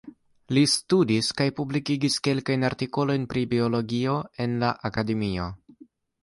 Li studis kaj publikigis kelkajn artikolojn pri biologio en la Akademio.